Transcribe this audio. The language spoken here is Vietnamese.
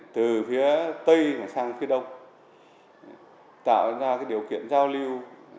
từ phía tây sang phía đông tạo ra điều kiện giao lưu